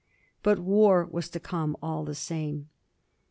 But war was to come all the same.